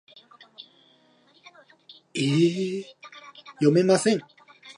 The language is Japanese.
此处贡献的语句将被添加到采用许可证的公开数据集中。